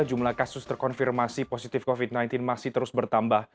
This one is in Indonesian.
jumlah kasus terkonfirmasi positif covid sembilan belas masih terus bertambah